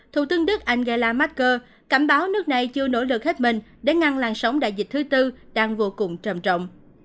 thủ tướng đức angela marker cảnh báo nước này chưa nỗ lực hết mình để ngăn làn sóng đại dịch thứ tư đang vô cùng trầm trọng